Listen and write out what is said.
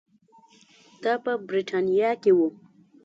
دا په برېټانیا کې وو.